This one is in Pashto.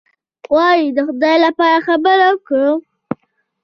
وایي: د خدای لپاره خبره کوم.